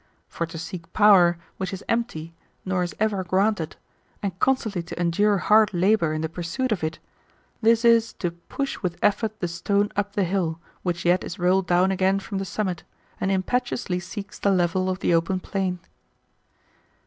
For to seek power, which is empty, nor is ever granted, and constantly to endure hard labour in the pursuit of it, this is to push with effort the stone up the hill, which yet is rolled down again from the summit, and impetuously seeks the level of the open plain.